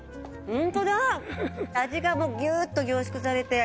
味がギューッと凝縮されて。